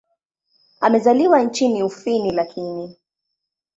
Amezaliwa nchini Ufini lakini.